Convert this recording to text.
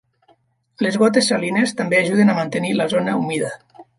Les gotes salines també ajuden a mantenir la zona humida.